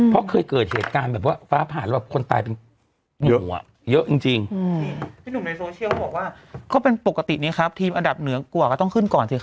เพราะเคยเกิดเหตุการณ์แบบว่าฟ้าผ่านคนตายเป็นก๋วมาก